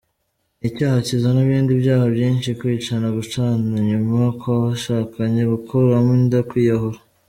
Ni icyaha kizana ibindi byaha binshi:Kwicana, gucana inyuma kw’abashakanye, gukuramo inda, kwiyahura.